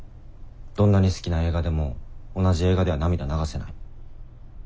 どんなに好きな映画でも同じ映画では涙流せない。